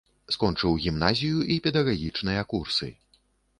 Скончыў гімназію і педагагічныя курсы.